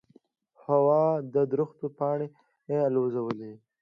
هوا د درختو پاڼې الوزولې.